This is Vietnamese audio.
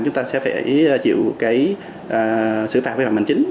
chúng ta sẽ phải chịu cái xử phạt vi phạm hành chính